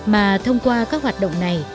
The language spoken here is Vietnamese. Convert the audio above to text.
mà thông qua các hoạt động này